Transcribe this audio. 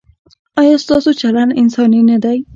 ایا ستاسو چلند انساني نه دی؟